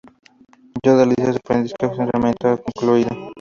Yoda le dice a su aprendiz que su entrenamiento ha concluido.